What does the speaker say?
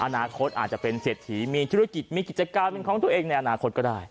อนาคตอาจจะเป็นเศรษฐีมีธุรกิจมีกิจการเป็นของตัวเองในอนาคตก็ได้